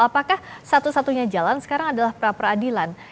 apakah satu satunya jalan sekarang adalah pra peradilan